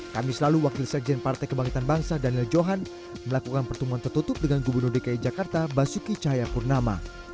kami selalu wakil sekjen partai kebangkitan bangsa daniel johan melakukan pertemuan tertutup dengan gubernur dki jakarta basuki cahayapurnama